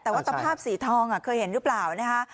แต่ว่าสภาพสีทองเคยเห็นหรือเปล่านะคะ